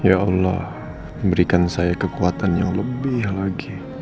ya allah berikan saya kekuatan yang lebih lagi